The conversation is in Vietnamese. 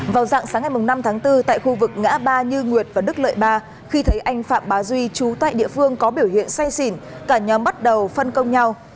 vào dạng sáng ngày năm tháng bốn tại khu vực ngã ba như nguyệt và đức lợi ba khi thấy anh phạm bá duy trú tại địa phương có biểu hiện say xỉn cả nhóm bắt đầu phân công nhau